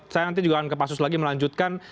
saya nanti juga akan ke pak sus lagi melanjutkan